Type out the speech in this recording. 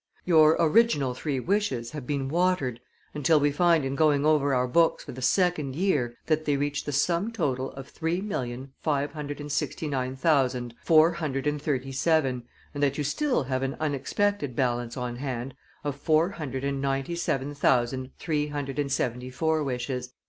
"Your original three wishes have been watered until we find in going over our books for the second year that they reach the sum total of three million five hundred and sixty nine thousand four hundred and thirty seven, and that you still have an unexpended balance on hand of four hundred and ninety seven thousand three hundred and seventy four wishes.